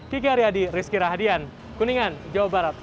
kiki aryadi rizky rahadian kuningan jawa barat